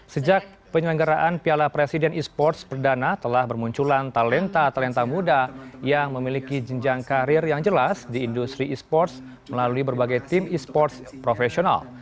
sejak penyelenggaraan piala presiden e sports perdana telah bermunculan talenta talenta muda yang memiliki jenjang karir yang jelas di industri e sports melalui berbagai tim e sports profesional